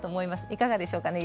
いかがでしょうかね